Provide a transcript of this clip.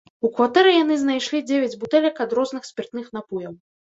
У кватэры яны знайшлі дзевяць бутэлек ад розных спіртных напояў.